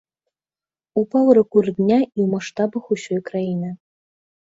Упаў рэкорд дня і ў маштабах усёй краіны.